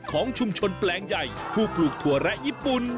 ของชุมชนแปลงใหญ่ผู้ปลูกถั่วแระญี่ปุ่น